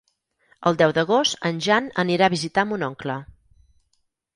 El deu d'agost en Jan anirà a visitar mon oncle.